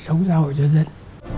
sống xã hội cho dân